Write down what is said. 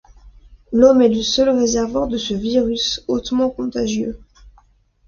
L'homme est le seul réservoir de ce virus, hautement contagieux.